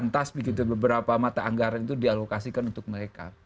lantas begitu beberapa mata anggaran itu dialokasikan untuk mereka